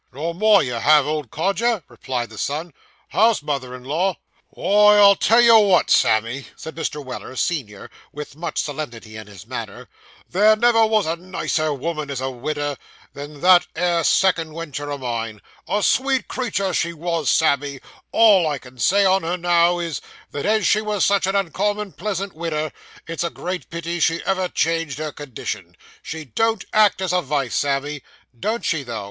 'Nor more you have, old codger,' replied the son. 'How's mother in law?' 'Wy, I'll tell you what, Sammy,' said Mr. Weller, senior, with much solemnity in his manner; 'there never was a nicer woman as a widder, than that 'ere second wentur o' mine a sweet creetur she was, Sammy; all I can say on her now, is, that as she was such an uncommon pleasant widder, it's a great pity she ever changed her condition. She don't act as a vife, Sammy.' Don't she, though?